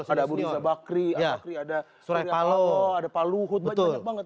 ada buriza bakri ada suraya kalo ada pak luhut banyak banget